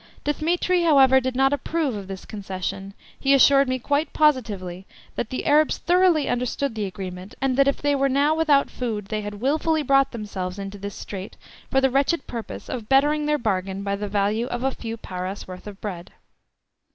Dthemetri, however, did not approve of this concession; he assured me quite positively that the Arabs thoroughly understood the agreement, and that if they were now without food they had wilfully brought themselves into this strait for the wretched purpose of bettering their bargain by the value of a few paras' worth of bread.